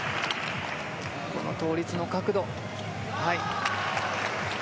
この倒立の角度。